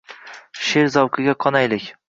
She’r zavqiga qonaylik.